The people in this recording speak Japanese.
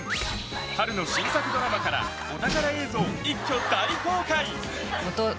春の新作ドラマからお宝映像、一挙大公開！